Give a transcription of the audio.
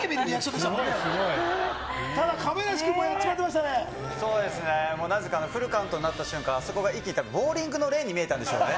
ただ亀梨君もやっちまってまそうですね、なぜかフルカウントになった瞬間、あそこがボウリングのレーンに見えたんでしょうね。